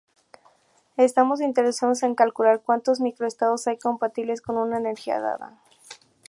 Estamos interesados en calcular cuántos microestados hay compatibles con una energía dada.